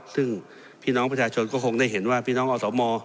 ซึ่งพี่น้องประชาชนก็คงได้เห็นว่าพี่น้องอสม